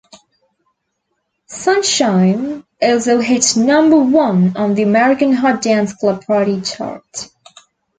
"Sunchyme" also hit number-one on the American Hot Dance Club Party chart.